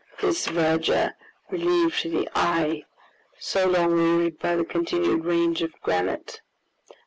This verdure relieved the eye, so long wearied by the continued ranges of granite.